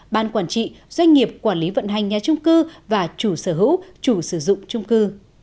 ban quản trị doanh nghiệp quản lý vận hành nhà trung cư và chủ sở hữu chủ sử dụng trung cư